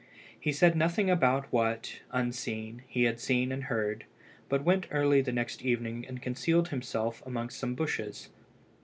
He said nothing about what, unseen, he had seen and heard, but went early the next evening and concealed himself amongst some bushes.